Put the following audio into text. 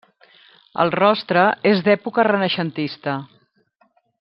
El rostre és d'època renaixentista.